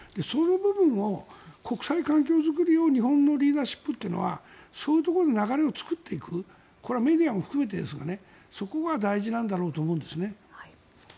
その部分を国際環境作りを日本のリーダーシップというのはそういうところの流れを作っていくこれはメディアも含めてですがそこが大事なんだろうと思うんですね。